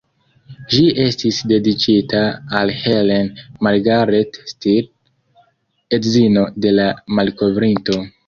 Ĝi estis dediĉita al "Helen Margaret Steel", edzino de la malkovrinto.